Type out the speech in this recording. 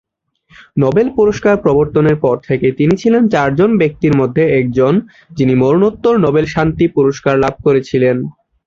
Nobel পুরস্কার প্রবর্তনের পর থেকে তিনি ছিলেন চার জন ব্যক্তির মধ্যে একজন, যিনি মরণোত্তর নোবেল শান্তি পুরস্কার লাভ করেছিলেন।